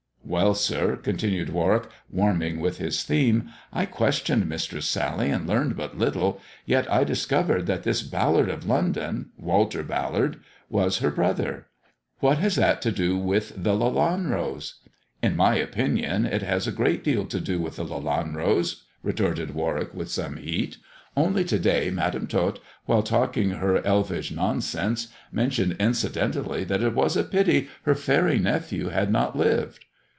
Well, sir," continued War wick, warming with his theme, "I questioned Mistress Sally and learned but little, yet I discovered that this Ballard of London — Walter Ballard — was her brother." " What has that to do with the Lelanros 1 "" In my opinion it has a great deal to do with the Lelan ros," retorted Warwick, with some heat. "Only to day Madam Tot, while talking her elfish nonsense, mentioned incidentally that it was a pity her faery nephew had not Uved."